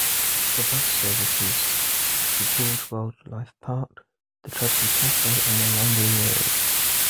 The Bus services the Gorge Wildlife Park, the Cudlee Cafe and Langley Road.